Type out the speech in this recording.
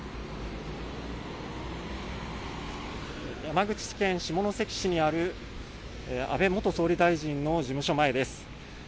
山口県下関市にある安倍元総理大臣の事務所前です。